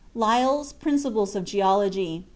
(Lyell's "Principles of Geology," p.